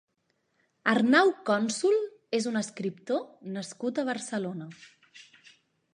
Arnau Cònsul és un escriptor nascut a Barcelona.